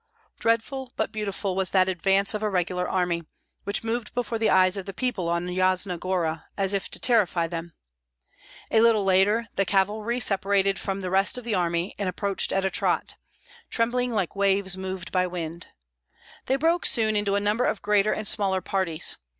Dreadful but beautiful was that advance of a regular army, which moved before the eyes of the people on Yasna Gora, as if to terrify them. A little later the cavalry separated from the rest of the army and approached at a trot, trembling like waves moved by wind. They broke soon into a number of greater and smaller parties.